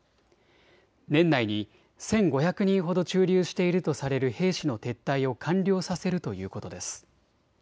年内に１５００人ほど駐留しているとされる兵士の撤退を完了させるということです。